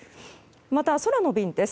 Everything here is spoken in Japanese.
また空の便です。